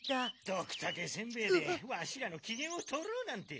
ドクタケせんべえでワシらのきげんをとろうなんて。